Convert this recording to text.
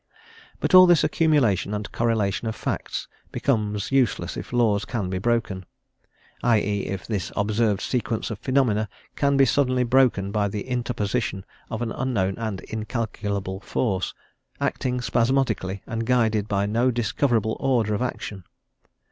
But all this accumulation and correlation of facts becomes useless if laws can be broken i e., if this observed sequence of phenomena can be suddenly broken by the interposition of an unknown and incalculable force, acting spasmodically and guided by no discoverable order of action.